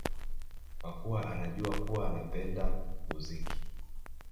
kwa kuwa anajua kuwa anapenda muziki